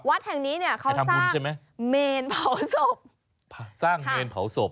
วัดแห่งนี้เนี่ยเขาสร้างใช่ไหมเมนเผาศพสร้างเมนเผาศพ